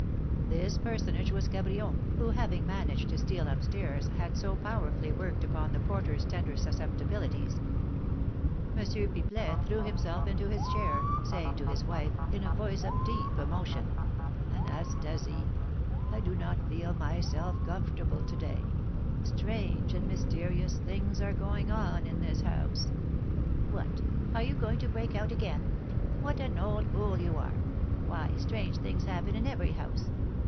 This personage was Cabrion, who, having managed to steal up stairs, had so powerfully worked upon the porter's tender susceptibilities. M. Pipelet threw himself into his chair, saying to his wife, in a voice of deep emotion: "Anastasie; I do not feel myself comfortable to day; strange and mysterious things are going on in this house." "What! Are you going to break out again? What an old fool you are! Why, strange things happen in every house.